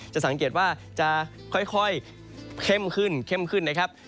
จะสังเกตว่าจะค่อยเข้มขึ้นนะครับ